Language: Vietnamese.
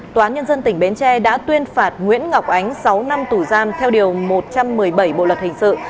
tòa án nhân dân tỉnh bến tre đã tuyên phạt nguyễn ngọc ánh sáu năm tù giam theo điều một trăm một mươi bảy bộ luật hình sự